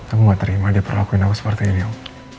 kamu gak terima dia perlakuin aku seperti ini om